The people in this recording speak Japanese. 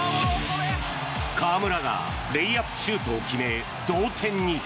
河村がレイアップシュートを決め同点に。